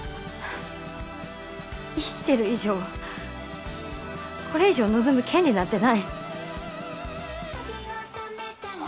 生きてる以上これ以上望む権利なんてない。